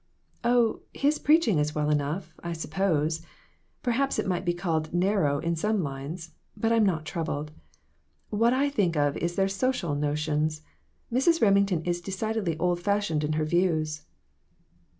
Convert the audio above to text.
"Oh, his preaching is well enough, I suppose. Perhaps it might be called 'narrow' in some lines, but I'm not troubled. What I think of is their social notions. Mrs. Remington is decidedly old fashioned in her views."